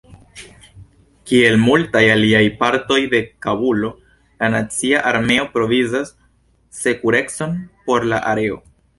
Kiel multaj aliaj partoj de Kabulo, la nacia armeo provizas sekurecon por la areo.